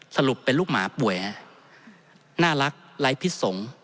สรุปเป็นลูกหมาป่วยฮะน่ารักไร้พิษสงฆ์